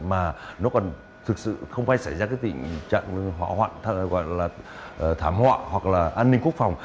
mà nó còn thực sự không phải xảy ra tình trạng thảm họa hoặc là an ninh quốc phòng